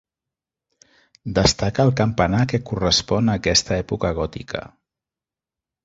Destaca el campanar que correspon a aquesta època gòtica.